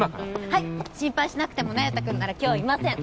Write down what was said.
はい心配しなくても那由他君なら今日いません